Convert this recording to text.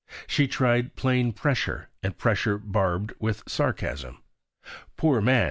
She tried plain pressure, and pressure barbed with sarcasm. "Poor man!"